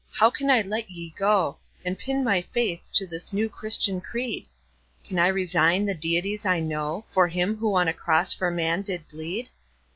how can I let ye go And pin my faith to this new Christian creed? Can I resign the deities I know For him who on a cross for man did bleed?